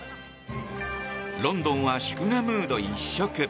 ロンドンは祝賀ムード一色。